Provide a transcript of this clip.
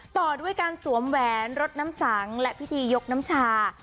ต่อด้วยการสวมแหวนรดน้ำสังและพิธียกน้ำชา